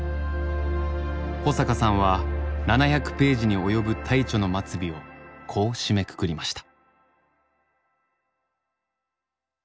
保阪さんは７００ページに及ぶ大著の末尾をこう締めくくりました。